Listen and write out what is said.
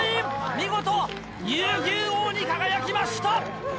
見事乳牛王に輝きました！